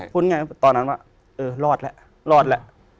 พูดง่ายตอนนั้นว่าเออรอดแล้วรอดแล้ว